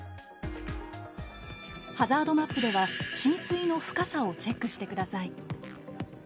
ハザードマップでは浸水の深さをチェックしてください。